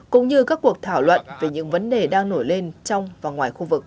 cũng như các cuộc thảo luận về những vấn đề đang nổi lên trong